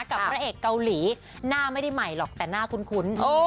กับพระเอกเกาหลีหน้าไม่ได้ใหม่หรอกแต่หน้าคุ้น